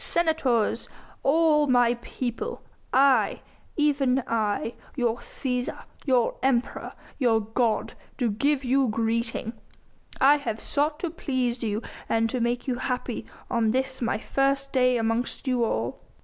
senators! all my people! I even I your Cæsar, your Emperor, your god, do give you greeting! I have sought to please you and to make you happy on this my first day amongst you all."